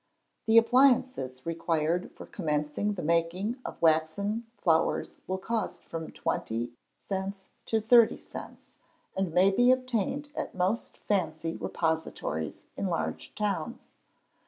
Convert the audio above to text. The appliances required for commencing the making of waxen flowers will cost from 20s. to 30s., and may be obtained at most fancy repositories in large towns.